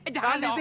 eh jangan dong